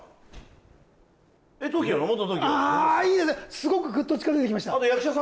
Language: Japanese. すごくグッと近づいてきました